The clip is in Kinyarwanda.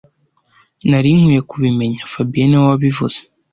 Nari nkwiye kubimenya fabien niwe wabivuze